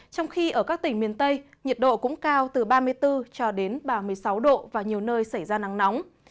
trong khi ở các tỉnh miền tây nhiệt độ cũng cao từ ba mươi bốn cho đến ba mươi sáu độ và nhiều nơi xảy ra nắng nóng